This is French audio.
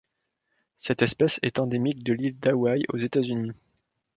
Cette espèce est endémique de l'île d'Hawaï aux États-Unis.